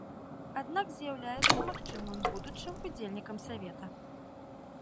Аднак з'яўляецца магчымым будучым удзельнікам савета.